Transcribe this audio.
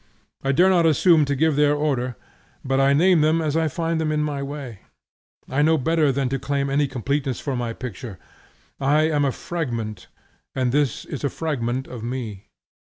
I dare not assume to give their order, but I name them as I find them in my way. I know better than to claim any completeness for my picture. I am a fragment, and this is a fragment of me.